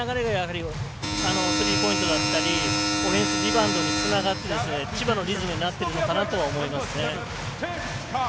それによって流れがスリーポイントだったりオフェンスリバウンドにつながって、千葉のリズムになっているかなと思います。